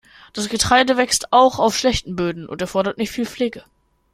Das Getreide wächst auch auf schlechten Böden und erfordert nicht viel Pflege.